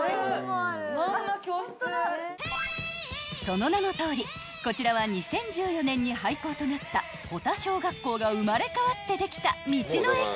［その名のとおりこちらは２０１４年に廃校となった保田小学校が生まれ変わってできた道の駅］